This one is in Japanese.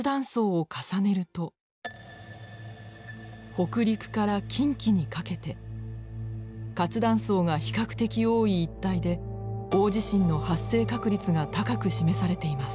北陸から近畿にかけて活断層が比較的多い一帯で大地震の発生確率が高く示されています。